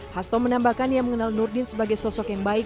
hasto menambahkan ia mengenal nurdin sebagai sosok yang baik